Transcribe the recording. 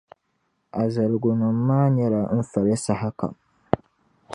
A zaligunim’ maa nyɛla n fali sahakam.